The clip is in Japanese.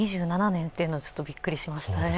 ２７年というのはちょっとびっくりしましたね。